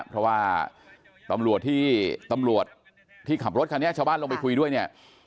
เพราะว่าตำรวจที่ตำรวจที่ขับรถคันนี้ชาวบ้านลงไปคุยด้วยเนี่ย